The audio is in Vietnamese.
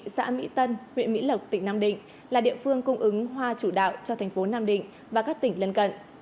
xã mỹ tân huyện mỹ lộc tỉnh nam định là địa phương cung ứng hoa chủ đạo cho thành phố nam định và các tỉnh lân cận